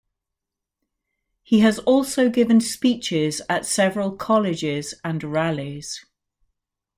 He has also given speeches at several colleges and rallies.